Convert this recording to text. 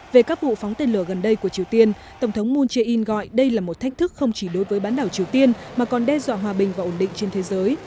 về các vụ phóng tên lửa gần đây của triều tiên tổng thống moon jae in gọi đây là một thách thức không chỉ đối với bán đảo triều tiên mà còn đe dọa hòa bình và ổn định trên thế giới